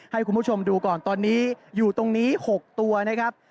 ให้คุณผู้ชมดูก่อนตอนนี้อยู่ตรงนี้๖ตัวนะครับ